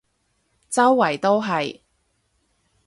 周圍都係